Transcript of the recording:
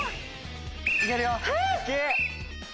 いけるよ。